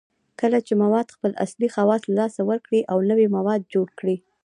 کله چې مواد خپل اصلي خواص له لاسه ورکړي او نوي مواد جوړ کړي